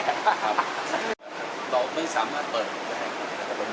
ต่อไม่สามารถเปิดแบงค์